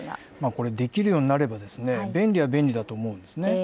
これ、できるようになれば、便利は便利だと思うんですね。